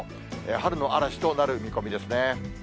春の嵐となる見込みですね。